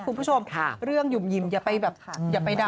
คุณผู้ชมเรื่องหยุ่มยิมอย่าไปดับให้ใคร